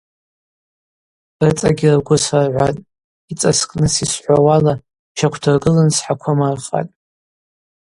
Рыцӏагьи ргвы сыргӏватӏ, йцӏаскӏныс йсхӏвауала щаквдыргылын схӏаквым рхатӏ.